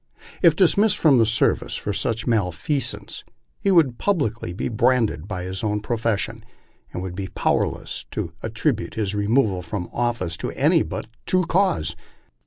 If dis missed from the service for such malfeasance, he would be publicly branded by his own profes sion, and would be powerless to attribute his removal from office to any but the true cause.